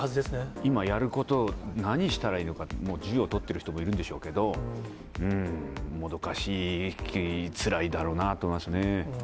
今やること、何したらいいのかって、をとってる人もいるんでしょうけれども、もどかしいし、つらいだろうなと思いますね。